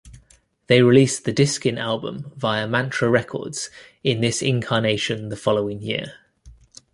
They released the "Diskin" album via Mantra Records in this incarnation the following year.